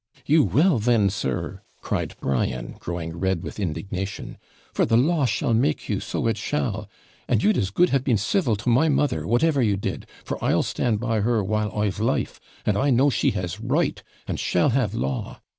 'You WILL then, sir,' cried Brian, growing red with indignation; 'for the law shall make you, so it shall; and you'd as good have been civil to my mother, whatever you did for I'll stand by her while I've life; and I know she has right, and shall have law.